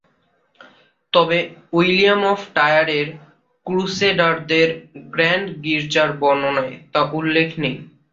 তবে, William of Tyre এর ক্রুসেডারদের গ্র্যান্ড গির্জার বর্ণনায়, তা উল্লেখ নেই।